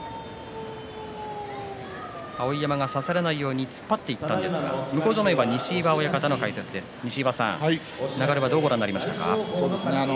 碧山が差されないように突っ張っていったんですが向正面の西岩さん流れはどうご覧になりましたか。